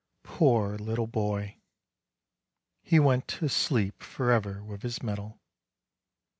Poor little boy! he went to sleep forever with his medal.